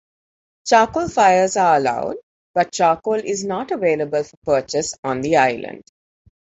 Charcoal fires are allowed, but charcoal is not available for purchase on the island.